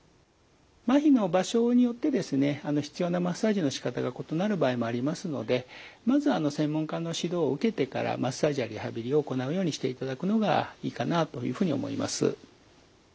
まひの場所によってですね必要なマッサージのしかたが異なる場合もありますのでまず専門家の指導を受けてからマッサージやリハビリを行うようにしていただくのがいいかなあというふうに思います。